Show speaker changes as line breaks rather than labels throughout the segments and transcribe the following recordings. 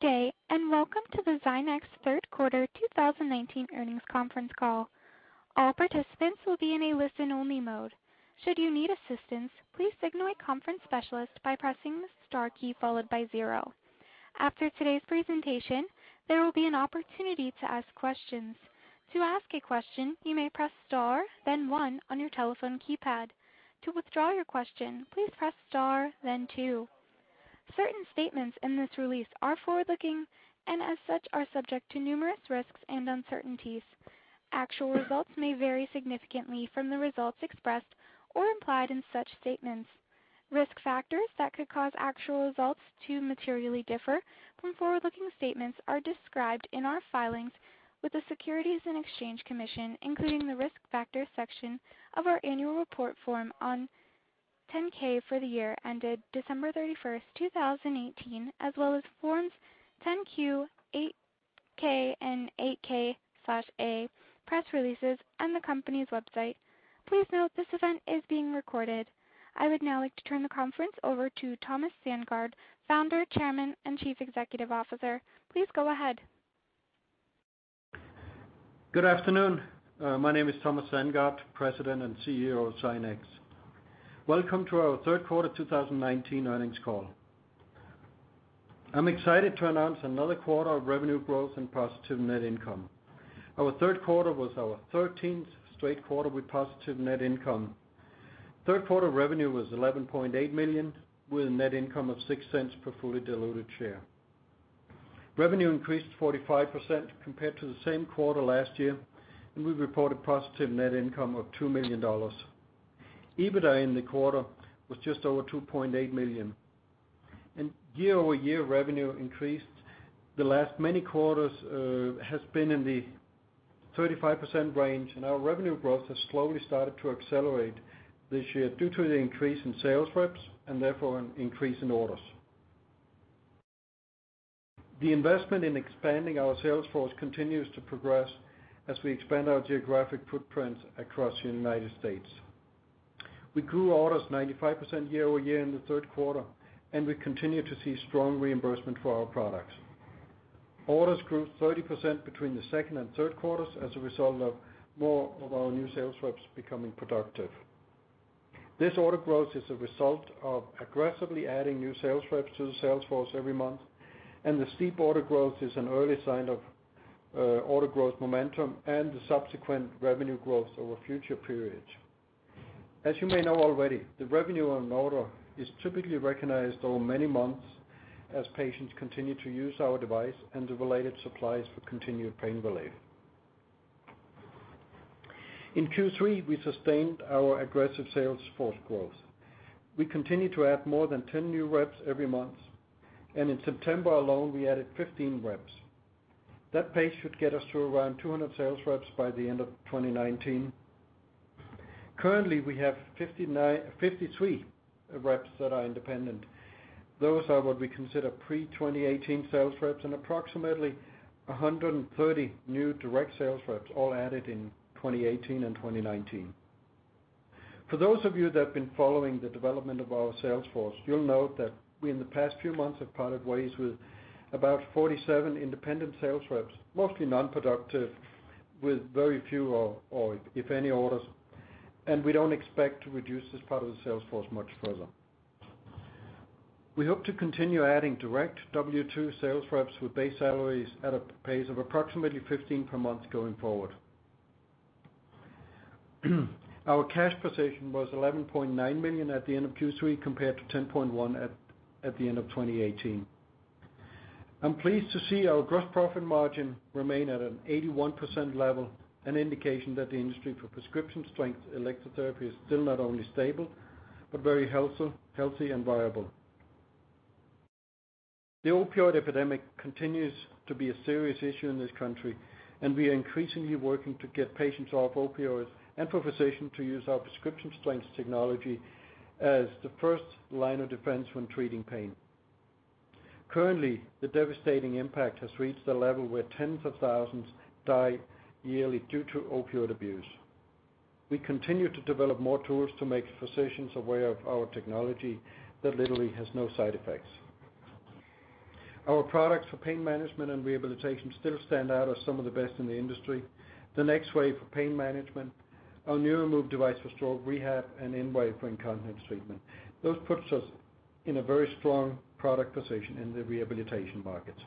Good day, and welcome to the Zynex third quarter 2019 earnings conference call. All participants will be in a listen-only mode. Should you need assistance, please signal a conference specialist by pressing the star key followed by zero. After today's presentation, there will be an opportunity to ask questions. To ask a question, you may press star, then one on your telephone keypad. To withdraw your question, please press star, then two. Certain statements in this release are forward-looking, and as such, are subject to numerous risks and uncertainties. Actual results may vary significantly from the results expressed or implied in such statements. Risk factors that could cause actual results to materially differ from forward-looking statements are described in our filings with the Securities and Exchange Commission, including the Risk Factors section of our annual report form on 10-K for the year ended December 31st, 2018, as well as forms 10-Q, 8-K, and 8-K/A, press releases, and the company's website. Please note this event is being recorded. I would now like to turn the conference over to Thomas Sandgaard, Founder, Chairman, and Chief Executive Officer. Please go ahead.
Good afternoon. My name is Thomas Sandgaard, President and CEO of Zynex. Welcome to our third quarter 2019 earnings call. I'm excited to announce another quarter of revenue growth and positive net income. Our third quarter was our 13th straight quarter with positive net income. Third quarter revenue was $11.8 million, with a net income of $0.06 per fully diluted share. Revenue increased 45% compared to the same quarter last year, and we reported positive net income of $2 million. EBITDA in the quarter was just over $2.8 million. Year-over-year revenue increase the last many quarters has been in the 35% range, and our revenue growth has slowly started to accelerate this year due to the increase in sales reps and therefore an increase in orders. The investment in expanding our sales force continues to progress as we expand our geographic footprint across the United States. We grew orders 95% year-over-year in the third quarter, and we continue to see strong reimbursement for our products. Orders grew 30% between the second and third quarters as a result of more of our new sales reps becoming productive. This order growth is a result of aggressively adding new sales reps to the sales force every month, and the steep order growth is an early sign of order growth momentum and the subsequent revenue growth over future periods. As you may know already, the revenue on order is typically recognized over many months as patients continue to use our device and the related supplies for continued pain relief. In Q3, we sustained our aggressive sales force growth. We continue to add more than 10 new reps every month, and in September alone, we added 15 reps. That pace should get us to around 200 sales reps by the end of 2019. Currently, we have 53 reps that are independent. Those are what we consider pre-2018 sales reps and approximately 130 new direct sales reps all added in 2018 and 2019. For those of you that have been following the development of our sales force, you'll note that we, in the past few months, have parted ways with about 47 independent sales reps, mostly non-productive with very few or if any orders, and we don't expect to reduce this part of the sales force much further. We hope to continue adding direct W2 sales reps with base salaries at a pace of approximately 15 per month going forward. Our cash position was $11.9 million at the end of Q3 compared to $10.1 million at the end of 2018. I'm pleased to see our gross profit margin remain at an 81% level, an indication that the industry for prescription strength electrotherapy is still not only stable but very healthy and viable. The opioid epidemic continues to be a serious issue in this country, and we are increasingly working to get patients off opioids and for physicians to use our prescription strength technology as the first line of defense when treating pain. Currently, the devastating impact has reached a level where tens of thousands die yearly due to opioid abuse. We continue to develop more tools to make physicians aware of our technology that literally has no side effects. Our products for pain management and rehabilitation still stand out as some of the best in the industry. The NexWave for pain management, our NeuroMove device for stroke rehab, and InWave for incontinence treatment. This puts us in a very strong product position in the rehabilitation markets.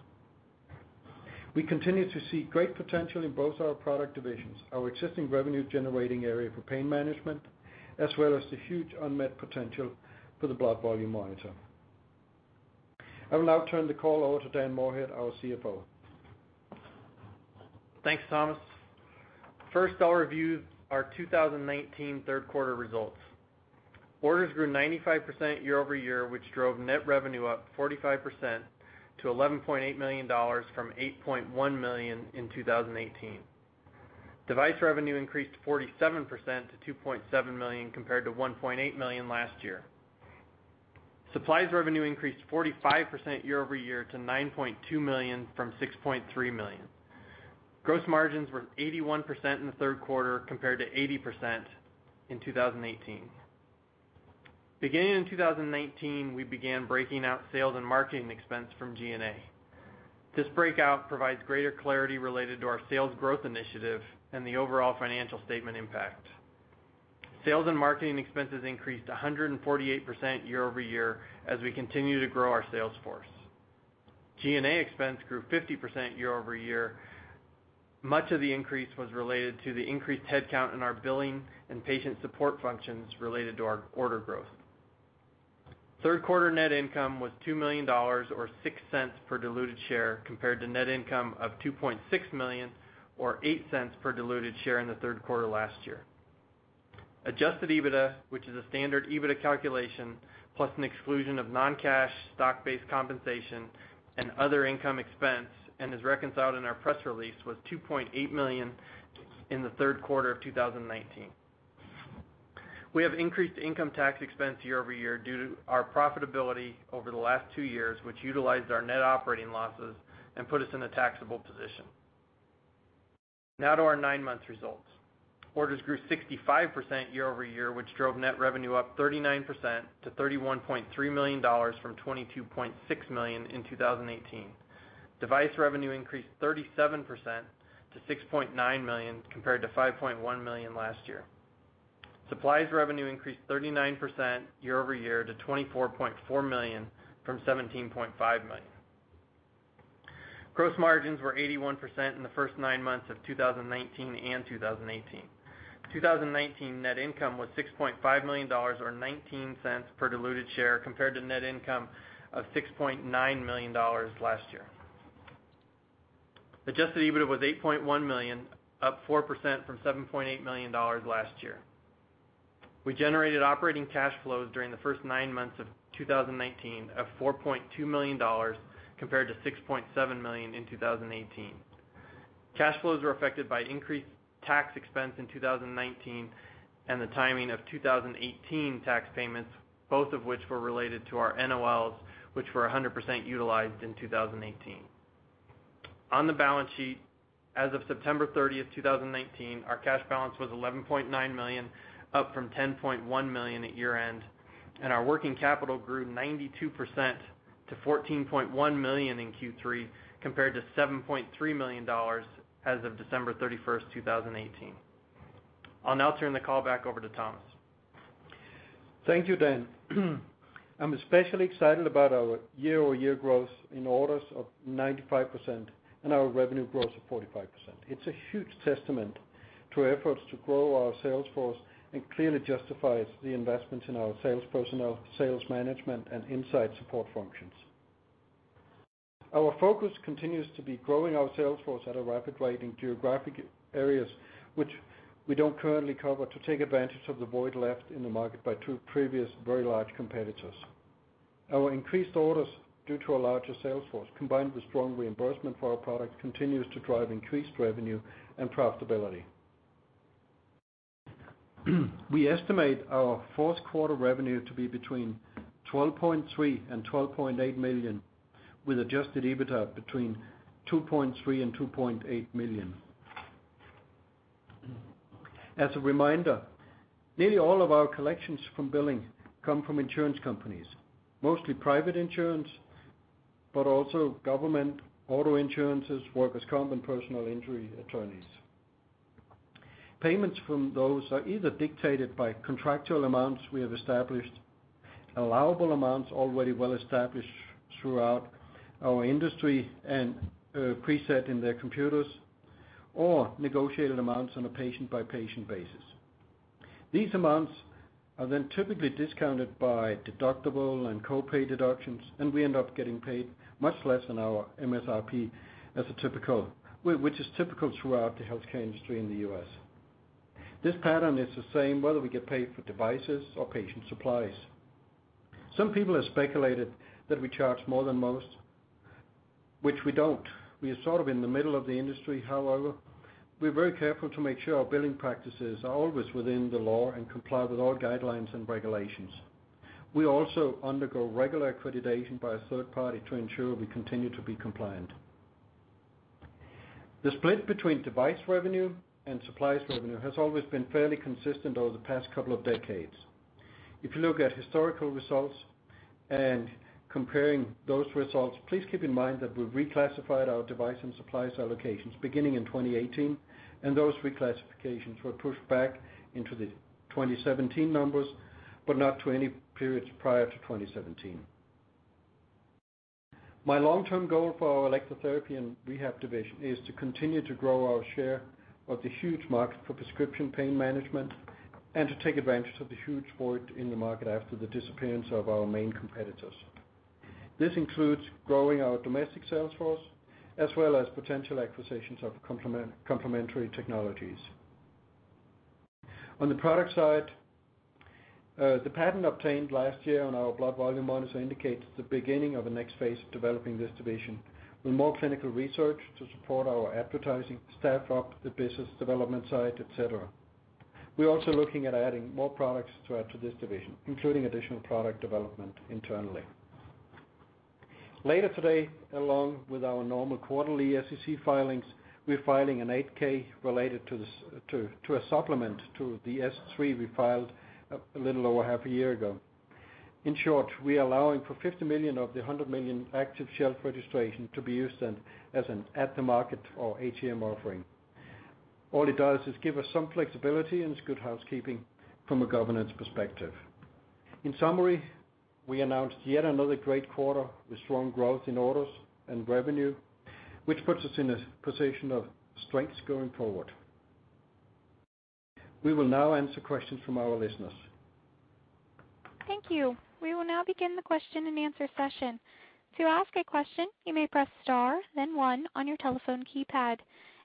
We continue to see great potential in both our product divisions, our existing revenue-generating area for pain management, as well as the huge unmet potential for the Blood Volume Monitor. I will now turn the call over to Dan Moorhead, our CFO.
Thanks, Thomas. First, I'll review our 2019 third quarter results. Orders grew 95% year-over-year, which drove net revenue up 45% to $11.8 million from $8.1 million in 2018. Device revenue increased 47% to $2.7 million compared to $1.8 million last year. Supplies revenue increased 45% year-over-year to $9.2 million from $6.3 million. Gross margins were 81% in the third quarter compared to 80% in 2018. Beginning in 2019, we began breaking out sales and marketing expense from G&A. This breakout provides greater clarity related to our sales growth initiative and the overall financial statement impact. Sales and marketing expenses increased 148% year-over-year as we continue to grow our sales force. G&A expense grew 50% year-over-year. Much of the increase was related to the increased headcount in our billing and patient support functions related to our order growth. Third quarter net income was $2 million, or $0.06 per diluted share, compared to net income of $2.6 million or $0.08 per diluted share in the third quarter last year. Adjusted EBITDA, which is a standard EBITDA calculation plus an exclusion of non-cash stock-based compensation and other income expense, and is reconciled in our press release, was $2.8 million in the third quarter of 2019. We have increased income tax expense year-over-year due to our profitability over the last two years, which utilized our net operating losses and put us in a taxable position. Now to our nine-month results. Orders grew 65% year-over-year, which drove net revenue up 39% to $31.3 million from $22.6 million in 2018. Device revenue increased 37% to $6.9 million, compared to $5.1 million last year. Supplies revenue increased 39% year-over-year to $24.4 million from $17.5 million. Gross margins were 81% in the first nine months of 2019 and 2018. 2019 net income was $6.5 million or $0.19 per diluted share, compared to net income of $6.9 million last year. Adjusted EBITDA was $8.1 million, up 4% from $7.8 million last year. We generated operating cash flows during the first nine months of 2019 of $4.2 million, compared to $6.7 million in 2018. Cash flows were affected by increased tax expense in 2019 and the timing of 2018 tax payments, both of which were related to our NOLs, which were 100% utilized in 2018. On the balance sheet, as of September 30th, 2019, our cash balance was $11.9 million, up from $10.1 million at year-end, and our working capital grew 92% to $14.1 million in Q3 compared to $7.3 million as of December 31st, 2018. I'll now turn the call back over to Thomas.
Thank you, Dan. I'm especially excited about our year-over-year growth in orders of 95% and our revenue growth of 45%. It's a huge testament to our efforts to grow our sales force and clearly justifies the investments in our sales personnel, sales management and inside support functions. Our focus continues to be growing our sales force at a rapid rate in geographic areas which we don't currently cover to take advantage of the void left in the market by two previous very large competitors. Our increased orders, due to our larger sales force, combined with strong reimbursement for our product, continues to drive increased revenue and profitability. We estimate our fourth quarter revenue to be between $12.3 million and $12.8 million, with adjusted EBITDA between $2.3 million and $2.8 million. As a reminder, nearly all of our collections from billing come from insurance companies, mostly private insurance, but also government, auto insurances, workers' comp, and personal injury attorneys. Payments from those are either dictated by contractual amounts we have established, allowable amounts already well established throughout our industry and preset in their computers, or negotiated amounts on a patient-by-patient basis. These amounts are then typically discounted by deductible and co-pay deductions, and we end up getting paid much less than our MSRP, which is typical throughout the healthcare industry in the U.S. This pattern is the same whether we get paid for devices or patient supplies. Some people have speculated that we charge more than most, which we don't. We are sort of in the middle of the industry. However, we're very careful to make sure our billing practices are always within the law and comply with all guidelines and regulations. We also undergo regular accreditation by a third party to ensure we continue to be compliant. The split between device revenue and supplies revenue has always been fairly consistent over the past two decades. If you look at historical results and comparing those results, please keep in mind that we've reclassified our device and supplies allocations beginning in 2018, and those reclassifications were pushed back into the 2017 numbers, but not to any periods prior to 2017. My long-term goal for our electrotherapy and rehab division is to continue to grow our share of the huge market for prescription pain management and to take advantage of the huge void in the market after the disappearance of our main competitors. This includes growing our domestic sales force, as well as potential acquisitions of complementary technologies. On the product side, the patent obtained last year on our Blood Volume Monitor indicates the beginning of the next phase of developing this division, with more clinical research to support our advertising, staff up the business development side, et cetera. We're also looking at adding more products to add to this division, including additional product development internally. Later today, along with our normal quarterly SEC filings, we're filing an 8-K related to a supplement to the S-3 we filed a little over half a year ago. In short, we are allowing for $50 million of the $100 million active shelf registration to be used as an at-the-market or ATM offering. All it does is give us some flexibility, it's good housekeeping from a governance perspective. In summary, we announced yet another great quarter with strong growth in orders and revenue, which puts us in a position of strength going forward. We will now answer questions from our listeners.
Thank you. We will now begin the question-and-answer session. To ask a question, you may press star then one on your telephone keypad.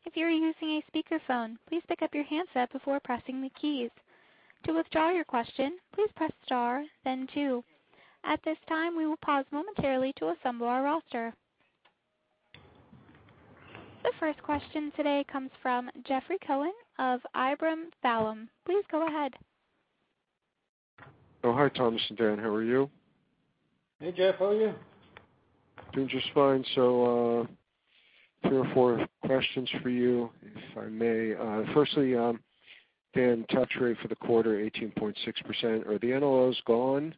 If you're using a speakerphone, please pick up your handset before pressing the keys. To withdraw your question, please press star then two. At this time, we will pause momentarily to assemble our roster. The first question today comes from Jeffrey Cohen of Ladenburg Thalmann. Please go ahead.
Oh, hi, Thomas and Dan. How are you?
Hey, Jeff. How are you?
Doing just fine. Three or four questions for you, if I may. Firstly, Dan, touch rate for the quarter, 18.6%. Are the NOLs gone?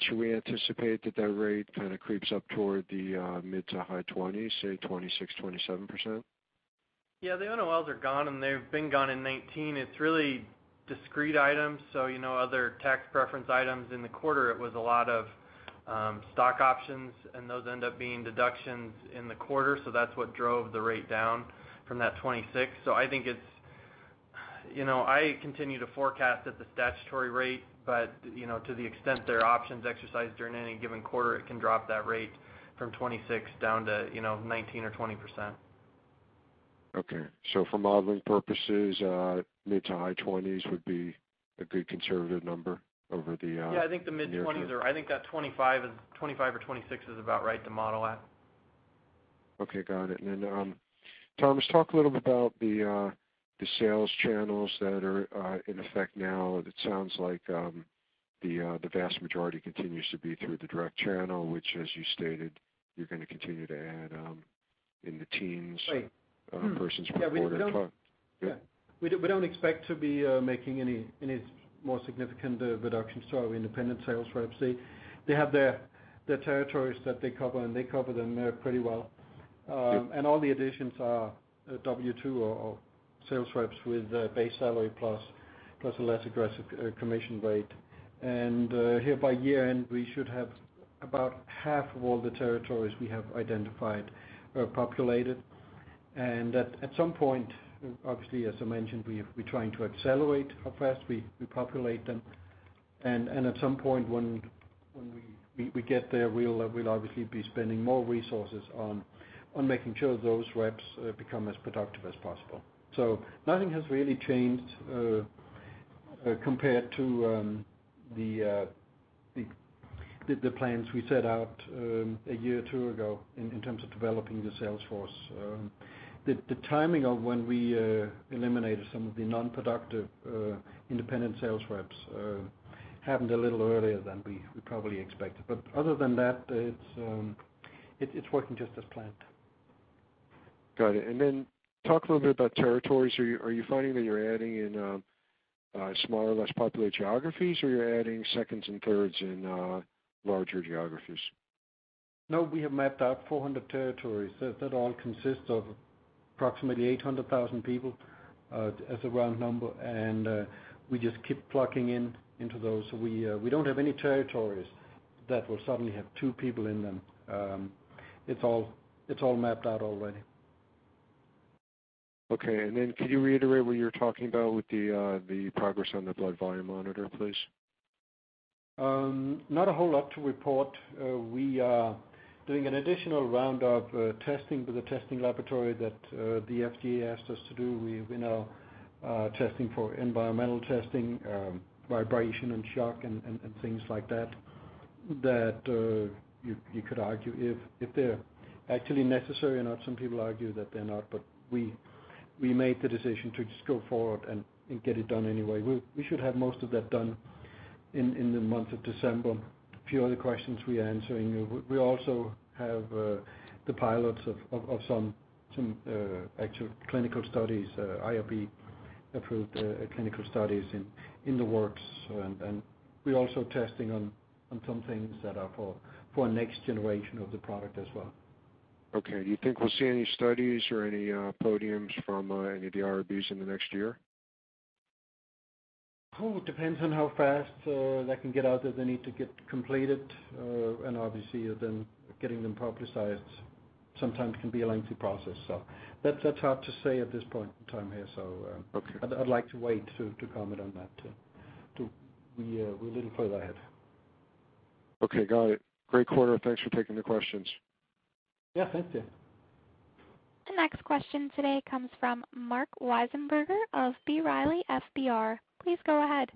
Should we anticipate that that rate kind of creeps up toward the mid to high 20s, say 26%, 27%?
Yeah. The NOLs are gone, and they've been gone in 2019. It's really discrete items, other tax preference items in the quarter, it was a lot of stock options, and those end up being deductions in the quarter. That's what drove the rate down from that 26%. I continue to forecast at the statutory rate, but to the extent there are options exercised during any given quarter, it can drop that rate from 26% down to 19% or 20%.
Okay. For modeling purposes, mid to high 20s would be a good conservative number over the year?
Yeah, I think the mid-20s or I think that 25 or 26 is about right to model at.
Okay, got it. Thomas, talk a little bit about the sales channels that are in effect now. It sounds like the vast majority continues to be through the direct channel, which as you stated, you're going to continue to add in the TENS versus per quarter.
Yeah. We don't expect to be making any more significant reductions to our independent sales reps. They have their territories that they cover, and they cover them pretty well.
Sure.
All the additions are W2 or sales reps with base salary plus a less aggressive commission rate. Here by year-end, we should have about half of all the territories we have identified populated. At some point, obviously, as I mentioned, we're trying to accelerate how fast we populate them. At some point when we get there, we'll obviously be spending more resources on making sure those reps become as productive as possible. Nothing has really changed compared to the plans we set out a year or two ago in terms of developing the sales force. The timing of when we eliminated some of the non-productive independent sales reps happened a little earlier than we probably expected. Other than that, it's working just as planned.
Got it. Talk a little bit about territories. Are you finding that you're adding in smaller, less popular geographies, or you're adding seconds and thirds in larger geographies?
No, we have mapped out 400 territories. That all consists of approximately 800,000 people as a round number, and we just keep plugging into those. We don't have any territories that will suddenly have two people in them. It's all mapped out already.
Okay. Could you reiterate what you're talking about with the progress on the Blood Volume Monitor, please?
Not a whole lot to report. We are doing an additional round of testing with a testing laboratory that the FDA asked us to do. We're now testing for environmental testing, vibration and shock and things like that you could argue if they're actually necessary or not. Some people argue that they're not, but we made the decision to just go forward and get it done anyway. We should have most of that done in the month of December. A few other questions we are answering. We also have the pilots of some actual clinical studies, IRB-approved clinical studies in the works. We're also testing on some things that are for our next generation of the product as well.
Okay. Do you think we'll see any studies or any podiums from any of the IRBs in the next year?
Oh, it depends on how fast that can get out there. They need to get completed, and obviously then getting them publicized sometimes can be a lengthy process. That's hard to say at this point in time here.
Okay.
I'd like to wait to comment on that till we're a little further ahead.
Okay, got it. Great quarter. Thanks for taking the questions.
Yeah, thanks, Jeff.
The next question today comes from Marc Weisenberger of B. Riley FBR. Please go ahead.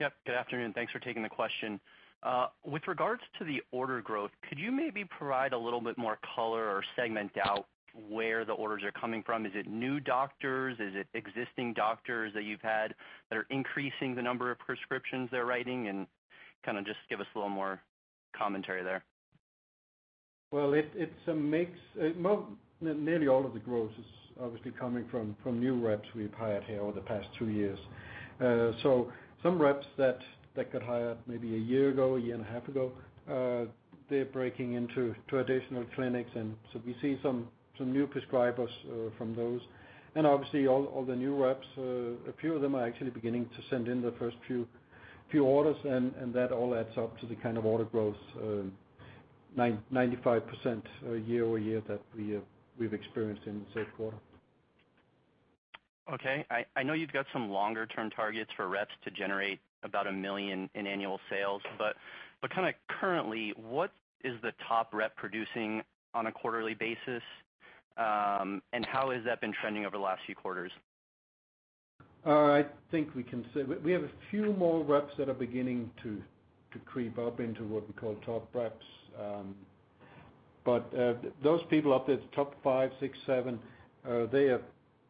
Yep. Good afternoon. Thanks for taking the question. With regards to the order growth, could you maybe provide a little bit more color or segment out where the orders are coming from? Is it new doctors? Is it existing doctors that you've had that are increasing the number of prescriptions they're writing? Kind of just give us a little more commentary there.
Well, it's a mix. Nearly all of the growth is obviously coming from new reps we've hired here over the past two years. Some reps that got hired maybe a year ago, a year and a half ago, they're breaking into additional clinics, and so we see some new prescribers from those. Obviously all the new reps, a few of them are actually beginning to send in their first few orders, and that all adds up to the kind of order growth, 95% year-over-year that we've experienced in this quarter.
Okay. I know you've got some longer-term targets for reps to generate about $1 million in annual sales, kind of currently, what is the top rep producing on a quarterly basis? How has that been trending over the last few quarters?
I think we can say we have a few more reps that are beginning to creep up into what we call top reps. Those people up there at the top five, six, seven, they are,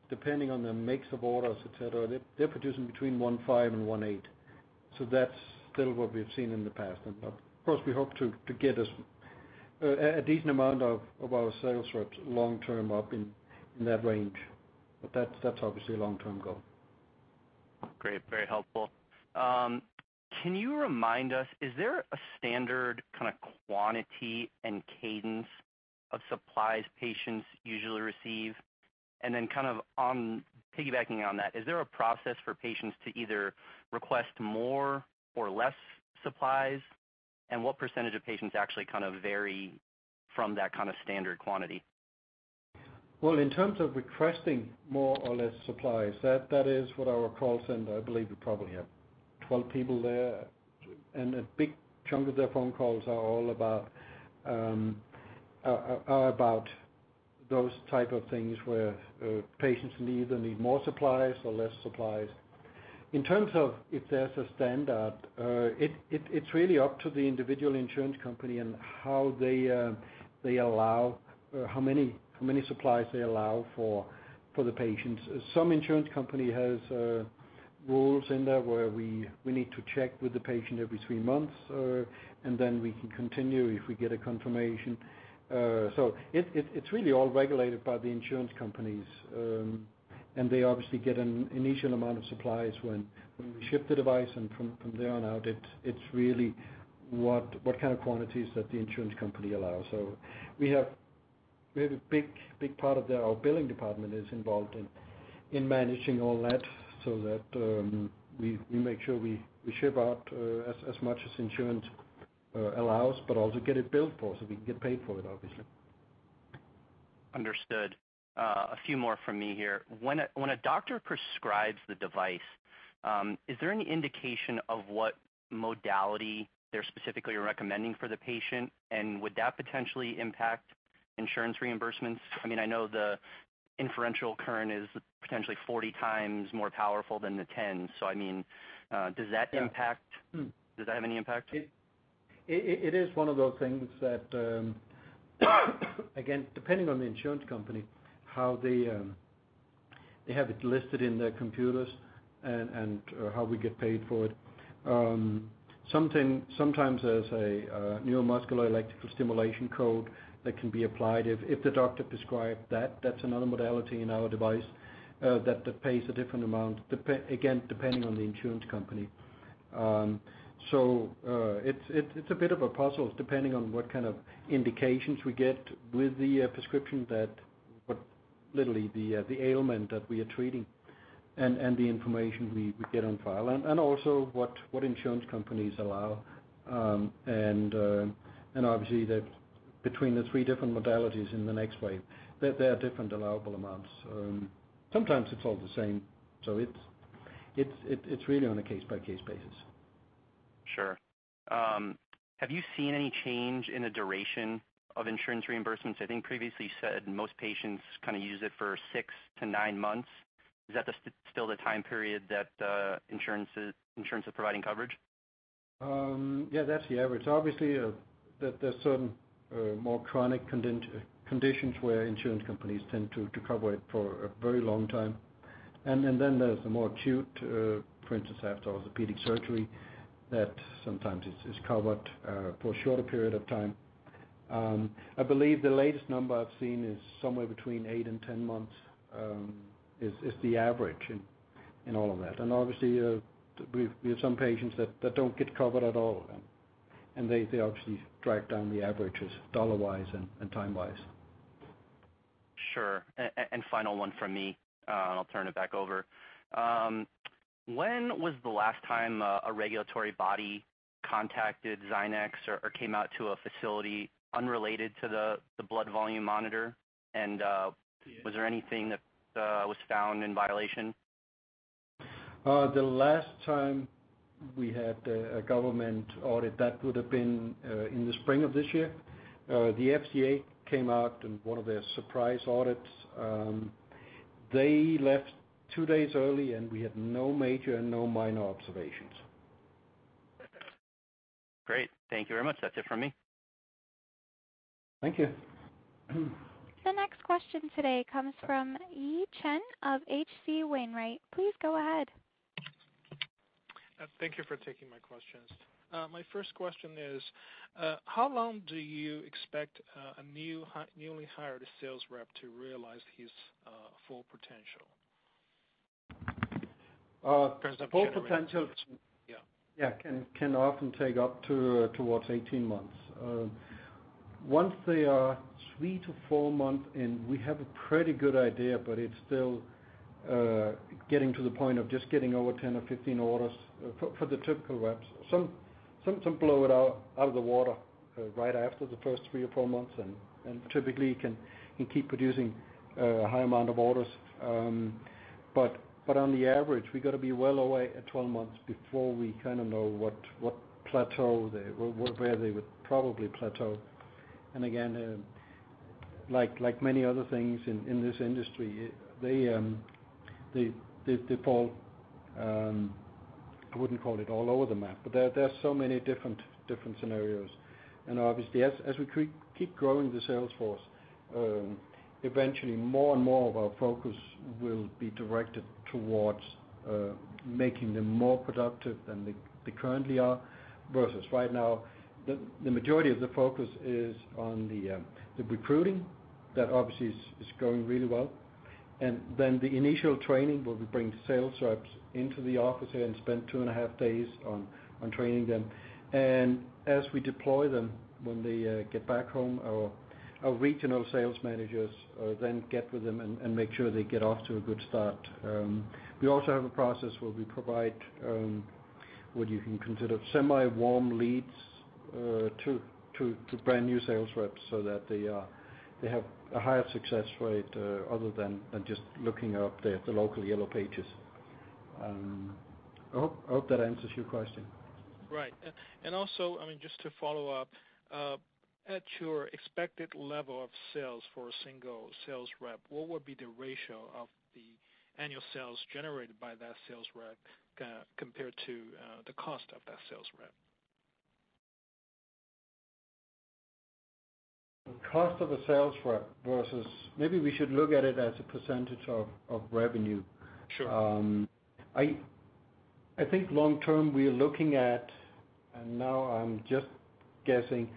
depending on the mix of orders, et cetera, they're producing between $1.5 million and $1.8 million. That's still what we've seen in the past. Of course, we hope to get a decent amount of our sales reps long term up in that range. That's obviously a long-term goal.
Great. Very helpful. Can you remind us, is there a standard kind of quantity and cadence of supplies patients usually receive? Then kind of on piggybacking on that, is there a process for patients to either request more or less supplies? What percentage of patients actually kind of vary from that kind of standard quantity?
In terms of requesting more or less supplies, that is what our call center, I believe we probably have 12 people there, and a big chunk of their phone calls are all about those type of things, where patients either need more supplies or less supplies. In terms of if there's a standard, it's really up to the individual insurance company and how many supplies they allow for the patients. Some insurance company has rules in there where we need to check with the patient every three months, then we can continue if we get a confirmation. It's really all regulated by the insurance companies. They obviously get an initial amount of supplies when we ship the device, from there on out, it's really what kind of quantities that the insurance company allows. We have a big part of our billing department is involved in managing all that, so that we make sure we ship out as much as insurance allows, but also get it billed for, so we can get paid for it, obviously.
Understood. A few more from me here. When a doctor prescribes the device, is there any indication of what modality they're specifically recommending for the patient? Would that potentially impact insurance reimbursements? I know the interferential current is potentially 40x more powerful than the TENS. Does that have any impact?
It is one of those things that, again, depending on the insurance company, how they have it listed in their computers and how we get paid for it. Sometimes there's a neuromuscular electrical stimulation code that can be applied if the doctor prescribed that. That's another modality in our device that pays a different amount, again, depending on the insurance company. It's a bit of a puzzle depending on what kind of indications we get with the prescription that what literally the ailment that we are treating and the information we get on file and also what insurance companies allow. Obviously between the three different modalities in the NexWave, there are different allowable amounts. Sometimes it's all the same, so it's really on a case-by-case basis.
Sure. Have you seen any change in the duration of insurance reimbursements? I think previously you said most patients kind of use it for six to nine months. Is that still the time period that insurance is providing coverage?
Yeah, that's the average. Obviously, there's certain more chronic conditions where insurance companies tend to cover it for a very long time. There's the more acute, for instance, after orthopedic surgery, that sometimes is covered for a shorter period of time. I believe the latest number I've seen is somewhere between eight and 10 months is the average in all of that. Obviously, we have some patients that don't get covered at all, and they obviously drag down the averages dollar-wise and time-wise.
Sure. Final one from me, and I'll turn it back over. When was the last time a regulatory body contacted Zynex or came out to a facility unrelated to the Blood Volume Monitor? Was there anything that was found in violation?
The last time we had a government audit, that would have been in the spring of this year. The FDA came out in one of their surprise audits. They left two days early, and we had no major and no minor observations.
Great. Thank you very much. That's it from me.
Thank you.
The next question today comes from Yi Chen of H.C. Wainwright & Co. Please go ahead.
Thank you for taking my questions. My first question is, how long do you expect a newly hired sales rep to realize his full potential?
Full potential.
Yeah.
Yeah. Can often take up towards 18 months. Once they are three to four months in, we have a pretty good idea, but it's still getting to the point of just getting over 10 or 15 orders for the typical reps. Some blow it out of the water right after the first three or four months, typically can keep producing a high amount of orders. On the average, we got to be well away at 12 months before we kind of know where they would probably plateau. Again, like many other things in this industry, they fall, I wouldn't call it all over the map, but there are so many different scenarios. Obviously, as we keep growing the sales force, eventually more and more of our focus will be directed towards making them more productive than they currently are, versus right now, the majority of the focus is on the recruiting. That obviously is going really well. Then the initial training, where we bring the sales reps into the office here and spend two and a half days on training them. As we deploy them, when they get back home, our regional sales managers then get with them and make sure they get off to a good start. We also have a process where we provide what you can consider semi-warm leads to brand new sales reps so that they have a higher success rate, other than just looking up the local Yellow Pages. I hope that answers your question.
Right. Also, just to follow up, at your expected level of sales for a single sales rep, what would be the ratio of the annual sales generated by that sales rep compared to the cost of that sales rep?
Cost of a sales rep. Maybe we should look at it as a percentage of revenue.
Sure.
I think long term, we are looking at, and now I'm just guessing,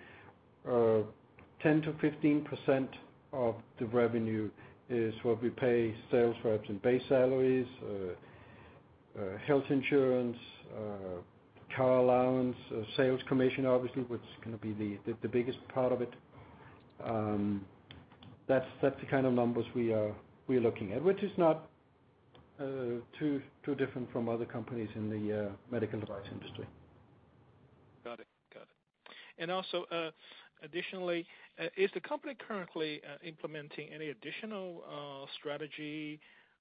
10%-15% of the revenue is what we pay sales reps in base salaries, health insurance, car allowance, sales commission, obviously, which is going to be the biggest part of it. That's the kind of numbers we are looking at, which is not too different from other companies in the medical device industry.
Got it. Also, additionally, is the company currently implementing any additional strategy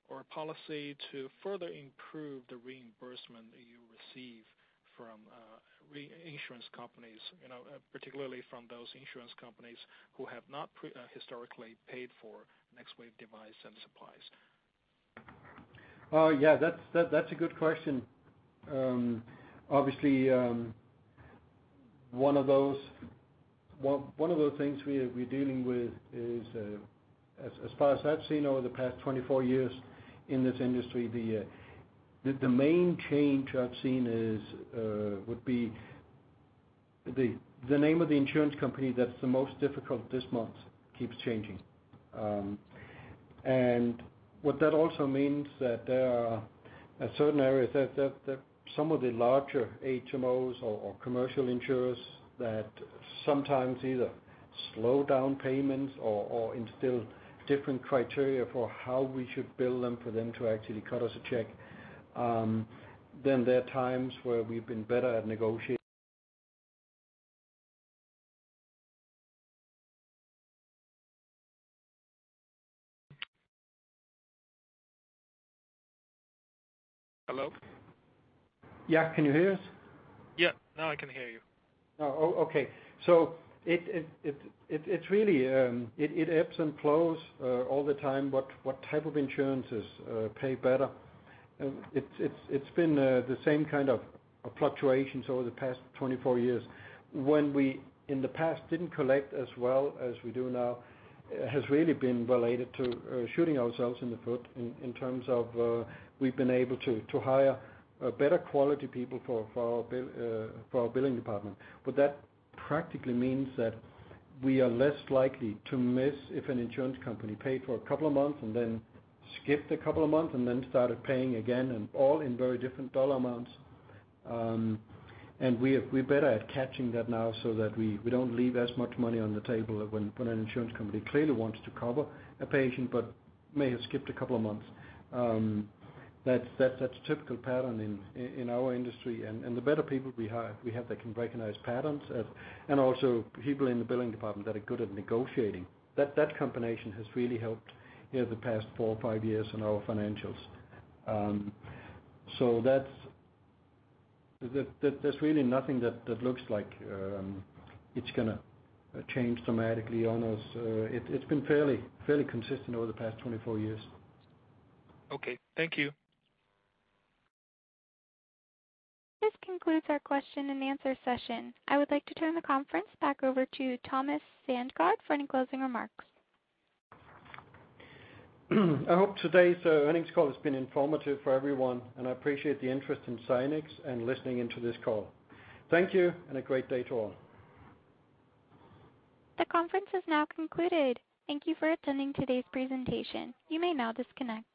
or policy to further improve the reimbursement that you receive from insurance companies, particularly from those insurance companies who have not historically paid for NexWave device and supplies?
Yeah, that's a good question. Obviously, one of the things we're dealing with is, as far as I've seen over the past 24 years in this industry, the main change I've seen would be the name of the insurance company that's the most difficult this month keeps changing. What that also means that there are certain areas that some of the larger HMOs or commercial insurers that sometimes either slow down payments or instill different criteria for how we should bill them for them to actually cut us a check. There are times where we've been better at negoti-
Hello?
Yeah. Can you hear us?
Yeah. Now I can hear you.
Oh, okay. It ebbs and flows all the time what type of insurances pay better. It's been the same kind of fluctuations over the past 24 years. When we, in the past, didn't collect as well as we do now, has really been related to shooting ourselves in the foot in terms of we've been able to hire better quality people for our billing department. What that practically means is that we are less likely to miss if an insurance company paid for a couple of months and then skipped a couple of months and then started paying again, and all in very different dollar amounts. We're better at catching that now so that we don't leave as much money on the table when an insurance company clearly wants to cover a patient but may have skipped a couple of months. That's a typical pattern in our industry, and the better people we have that can recognize patterns, and also people in the billing department that are good at negotiating. That combination has really helped the past four or five years in our financials. There's really nothing that looks like it's gonna change dramatically on us. It's been fairly consistent over the past 24 years.
Okay. Thank you.
This concludes our question and answer session. I would like to turn the conference back over to Thomas Sandgaard for any closing remarks.
I hope today's earnings call has been informative for everyone, and I appreciate the interest in Zynex and listening in to this call. Thank you, and a great day to all.
The conference has now concluded. Thank you for attending today's presentation. You may now disconnect.